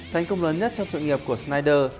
thành công lớn nhất trong sự nghiệp của snyder